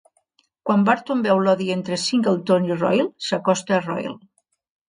Quan Barton veu l'odi entre Singleton i Royle, s'acosta a Royle.